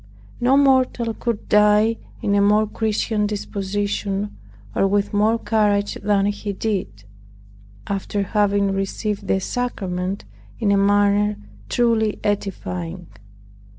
No mortal could die in a more Christian disposition, or with more courage than he did, after having received the sacrament in a manner truly edifying.